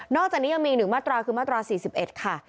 นอกจากนี้ยังมีหนึ่งมัตราคือมัตรา๔๑ค่ะ